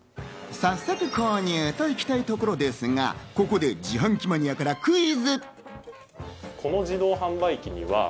早速、購入と行きたいところですが、ここで自販機マニアからクイズ。